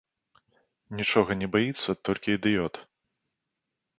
Нічога не баіцца толькі ідыёт.